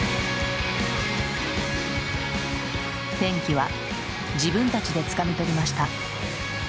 転機は自分たちでつかみ取りました。